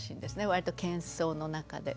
わりと喧騒の中で。